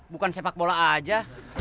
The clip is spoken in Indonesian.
bukan sepak bola aja